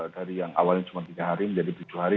dari yang awalnya cuma tiga hari menjadi tujuh hari